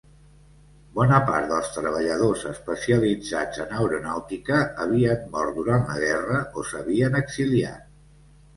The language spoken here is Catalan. Bona part dels treballadors especialitzats en aeronàutica havien mort durant la guerra o s'havien exiliat.